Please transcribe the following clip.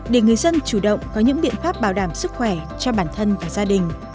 để người dân chủ động có những biện pháp bảo đảm sức khỏe cho bản thân và gia đình